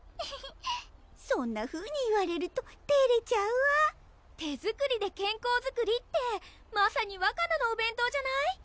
そんなふうに言われるとてれちゃうわ「手作りで健康作り」ってまさにわかなのお弁当じゃない？